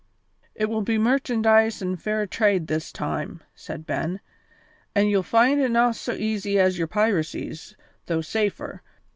"It will be merchandise an' fair trade this time," said Ben, "an' ye'll find it no' so easy as your piracies, though safer.